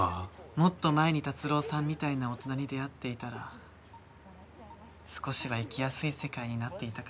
もっと前に辰郎さんみたいな大人に出会っていたら少しは生きやすい世界になっていたかもしれないですね。